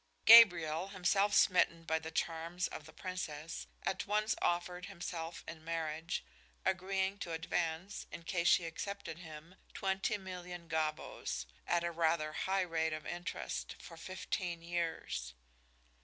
Gabriel, himself smitten by the charms of the Princess, at once offered himself in marriage, agreeing to advance, in case she accepted him, twenty million gavvos, at a rather high rate of interest, for fifteen years.